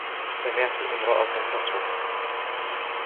سمعت امرأة تصرخ.